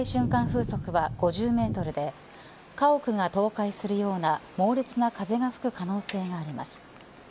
風速は５０メートルで家屋が倒壊するような猛烈な風が吹く可能性があります。